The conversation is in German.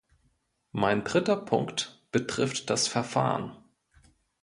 Mein dritter Punkt betrifft das Verfahren.